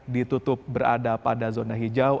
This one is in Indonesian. ditutup berada pada zona hijau